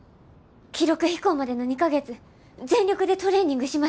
記録飛行までの２か月全力でトレーニングします。